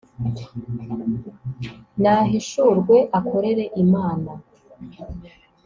nahishurwe akorere imana